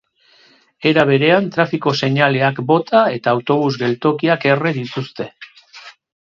Era berean, trafiko seinaleak bota eta autobus-geltokiak erre dituzte.